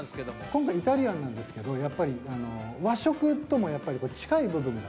今回イタリアンなんですけどやっぱりあの和食ともやっぱり近い部分が。